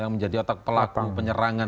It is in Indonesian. yang menjadi otak pelaku penyerangan